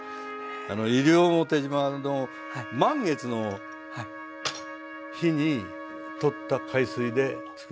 西表島の満月の日にとった海水でつくるんです。